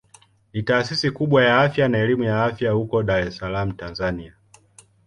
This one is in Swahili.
Ni taasisi kubwa ya afya na elimu ya afya huko Dar es Salaam Tanzania.